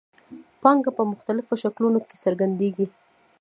پانګه په مختلفو شکلونو کې څرګندېږي